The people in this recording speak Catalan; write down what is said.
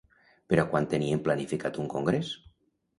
Per a quan tenien planificat un congrés?